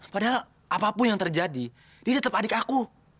padahal apapun yang terjadi ini tetap adik aku